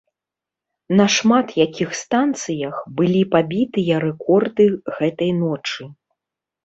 На шмат якіх станцыях былі пабітыя рэкорды гэтай ночы.